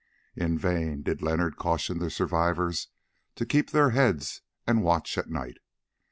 In vain did Leonard caution the survivors to keep their heads and watch at night.